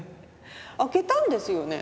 開けたんですよね？